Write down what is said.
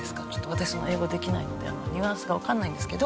私も英語できないのであんまりニュアンスがわかんないんですけど。